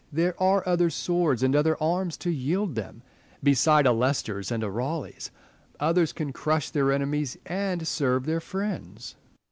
There are other swords, and other arms to yield them, beside a Leicester's and a Ptaleigh's. Others can crush their enemies, and serve their friends.